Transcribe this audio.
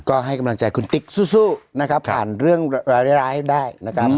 ก็ให้กำลังใจคุณติ๊กสู้ผ่านเรื่องแร้ลาให้ได้